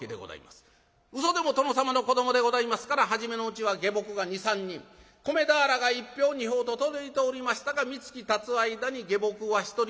うそでも殿様の子どもでございますから初めのうちは下僕が２３人米俵が一俵二俵と届いておりましたが三月たつ間に下僕は一人もいなくなる。